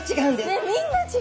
ねっみんな違う。